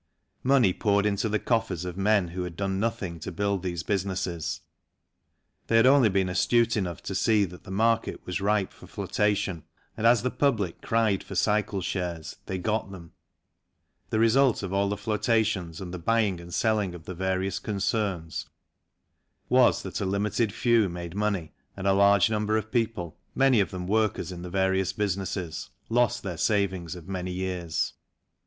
Money poured into the coffers of men who had done nothing to build these businesses ; they had only been astute enough to see that the market was ripe for flotation, and as the public cried for cycle shares they 71 6 (1466H) 72 THE CYCLE INDUSTRY got them. The result of all the flotations and the buying and selling of the various concerns was that a limited few made money and a large number of people, many of them workers in the various businesses, lost their savings of many years.